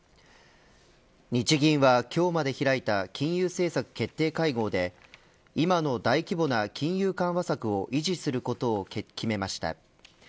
日銀は今日まで開いた金融政策決定会合で今の大規模な金融緩和策を維持することを決めました。